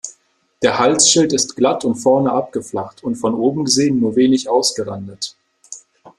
Der Halsschild ist glatt und vorne abgeflacht und von oben gesehen nur wenig ausgerandet.